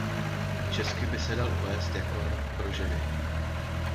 Česky by se dal uvést jako "rock pro ženy".